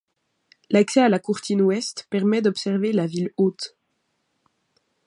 L'accès à la courtine ouest permet d'observer la ville haute.